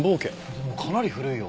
でもかなり古いよ。